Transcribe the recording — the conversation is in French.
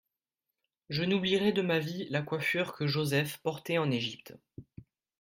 Je n'oublierai de ma vie la coiffure que Joseph portait en Égypte.